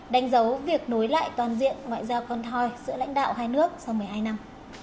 đánh dấu việc nối lại toàn diện ngoại giao con thoi giữa lãnh đạo hai nước sau một mươi hai năm